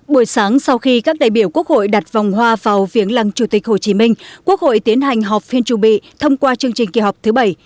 buổi sáng sau khi các đại biểu quốc hội đặt vòng hoa vào viếng lăng chủ tịch hồ chí minh quốc hội tiến hành họp phiên trù bị thông qua chương trình kỳ họp thứ bảy